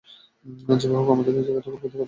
যেভাবে হোক আমাকে এই জায়গা দেখাতে বাধ্য করেছ।